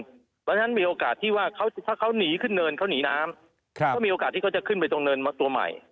เพราะฉะนั้นมีโอกาสที่ว่าถ้าเขาหนีขึ้นเนินเขาหนีน้ำก็มีโอกาสที่เขาจะขึ้นไปตรงเนินตัวใหม่